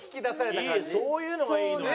そういうのがいいのよ。